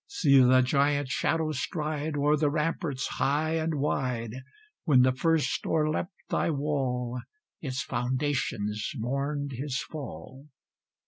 See the giant shadow stride O'er the ramparts high and wide! When the first o'erleapt thy wall, Its foundation mourned his fall.